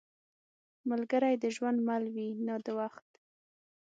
ملګری د ژوند مل وي، نه د وخت.